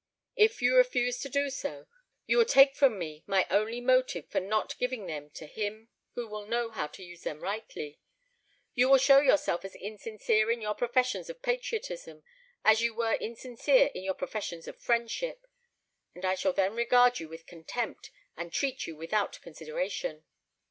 If you refuse to do so, you will take from me my only motive for not giving them to him who will know how to use them rightly. You will show yourself as insincere in your professions of patriotism as you were insincere in your professions of friendship; and I shall then regard you with contempt, and treat you without consideration."